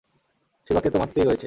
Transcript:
শিবাকে তো মারতেই রয়েছে।